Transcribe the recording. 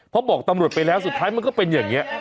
พอบอกตำรวจไปแล้วสุดท้ายมันก็เป็นอย่างนี้